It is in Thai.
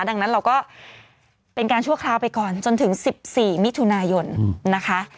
ดังนั้นเราก็เป็นการชั่วคราวไปก่อนจนถึง๑๔มิถุนายนนะคะ